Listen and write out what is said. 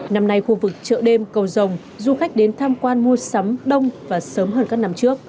năm nay khu vực chợ đêm cầu rồng du khách đến tham quan mua sắm đông và sớm hơn các năm trước